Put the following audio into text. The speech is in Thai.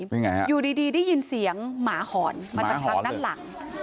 เป็นไงฮะอยู่ดีได้ยินเสียงหมาหอนมาจากทางด้านหลัง